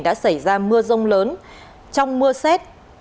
đã xảy ra mưa rông lớn trong mưa xét